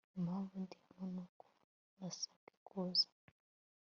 impamvu ndi hano nuko nasabwe kuza